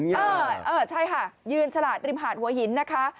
เออใช่ค่ะยืนฉลาดริมหาดหัวหินนะคะ